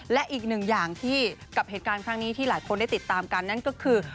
และอีกหนึ่งอย่างที่กับเหตุการณ์ครั้งนี้ที่หลายคนได้ติดตามกันนั่นก็คือ